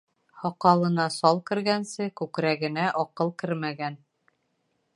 Һаҡалына сал кергәнсе, күкрәгенә аҡыл кермәгән